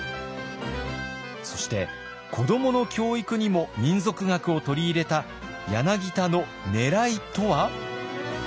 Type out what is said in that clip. そして子どもの教育にも民俗学を取り入れた柳田のねらいとは？